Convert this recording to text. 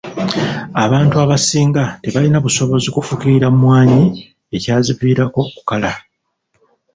Abantu abasinga tebaalina busobozi bufukirira mmwanyi ekyaziviirako okukala.